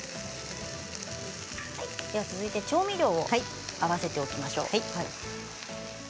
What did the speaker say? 続いて調味料を合わせておきましょうか。